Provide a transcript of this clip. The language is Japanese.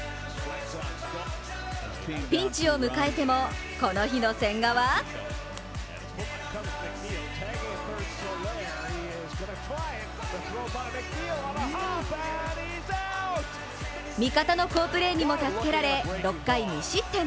ピンチを迎えても、この日の千賀は味方の好プレーにも助けられ６回２失点。